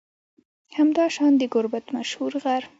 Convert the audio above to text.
همداشان د گربت مشهور غر